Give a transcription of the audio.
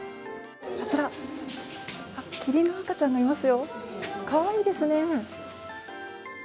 あちら、キリンの赤ちゃんがいますよ、かわいいですね。